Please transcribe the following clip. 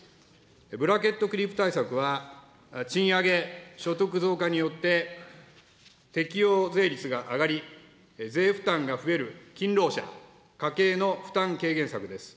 ブラケットクリープ対策は、賃上げ、所得増加によって、適用税率が上がり、税負担が増える勤労者、家計の負担軽減策です。